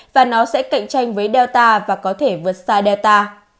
và nó sẽ cạnh tranh với data và có thể vượt xa delta